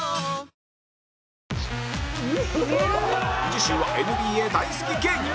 次週は ＮＢＡ 大好き芸人